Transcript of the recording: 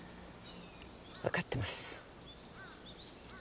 わかってます。